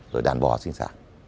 rồi đàn bò sinh sản